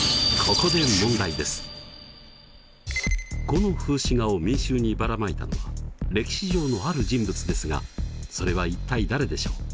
この風刺画を民衆にばらまいたのは歴史上のある人物ですがそれは一体誰でしょう？